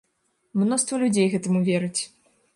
Мноства людзей гэтаму верыць.